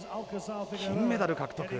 金メダル獲得。